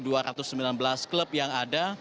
dari dua belas klub yang ada